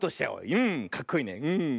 うんかっこいいねうん。